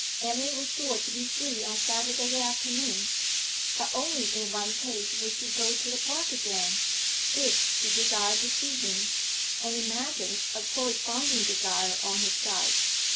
Emily was sure to be free on Saturday afternoon; but only in one case would she go to the park again if she desired to see him, and imagined a corresponding desire on his side.